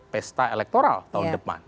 pesta elektoral tahun depan